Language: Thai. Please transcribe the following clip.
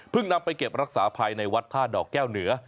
นำไปเก็บรักษาภายในวัดท่าดอกแก้วเหนือ